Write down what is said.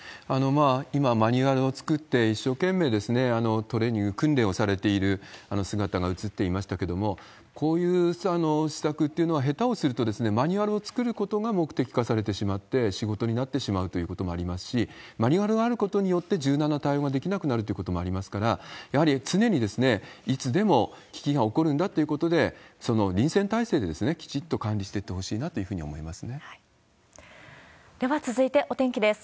今、マニュアルを作って一生懸命トレーニング、訓練をされている姿が映っていましたけれども、こういう施策というのは、下手をすると、マニュアルを作ることが目的化されてしまって、仕事になってしまうということもありますし、マニュアルがあることによって、柔軟な対応ができなくなるということもありますから、やはり、常にいつでも危機が起こるんだということで、臨戦態勢できちっと管理していってほしいなというふうに思いますでは続いてお天気です。